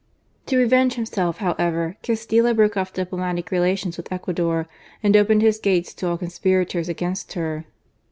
To revenge himself, however, Castilla broke off diplomatic relations with Ecuador, and opened his ^tes to all conspirators against her.